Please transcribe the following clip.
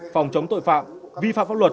phòng chống tội phạm vi phạm pháp luật